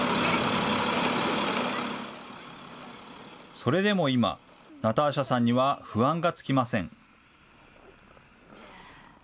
それでも今、ナターシャさんには不安が尽きません。